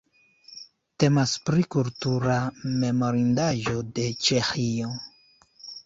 Temas pri kultura memorindaĵo de Ĉeĥio.